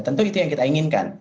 tentu itu yang kita inginkan